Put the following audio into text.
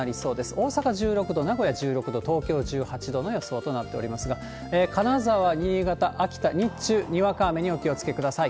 大阪１６度、名古屋１６度、東京１８度の予想となっておりますが、金沢、新潟、秋田、日中、にわか雨にお気をつけください。